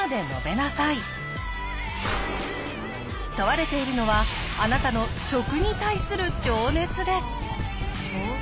こちらは問われているのはあなたの食に対する情熱です。